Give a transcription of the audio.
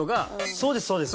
そうですそうです。